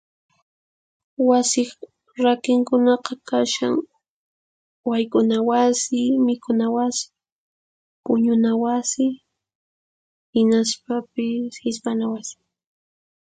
Wasiq rakinkunaqa kashan: wayk'una wasi, mikhuna wasi, puñuna wasi, hinaspapis hisp'ana wasi.